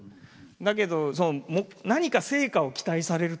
だけど何か成果を期待されるとかね。